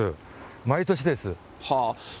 毎年です。